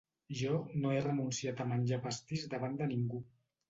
Jo no he renunciat a menjar pastís davant de ningú.